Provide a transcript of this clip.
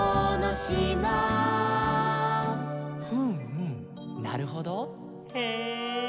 「ふんふんなるほどへえー」